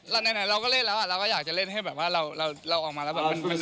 ไหนเราก็เล่นแล้วเราก็อยากจะเล่นให้แบบว่าเราออกมาแล้วแบบมัน